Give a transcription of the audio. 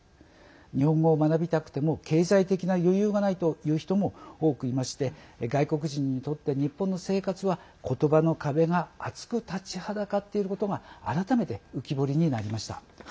日本語を学びたくても経済的な余裕がないという人も多くいまして外国人にとって日本の生活は、ことばの壁が厚く立ちはだかっていることが改めて浮き彫りになりました。